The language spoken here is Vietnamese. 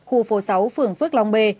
khu phố sáu phường phước long b